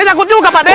eh nyangkut juga pak d